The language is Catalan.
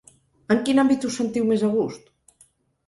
En quin àmbit us sentiu més a gust?